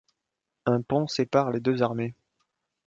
Un pont sépare les deux armées.